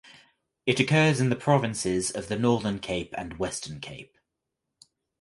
It occurs in the provinces of the Northern Cape and Western Cape.